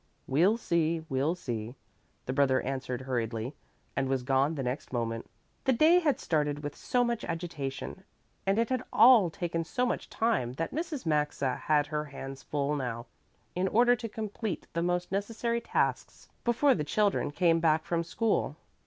"We'll see, we'll see," the brother answered hurriedly, and was gone the next moment. The day had started with so much agitation and it had all taken so much time that Mrs. Maxa had her hands full now in order to complete the most necessary tasks before the children came back from school.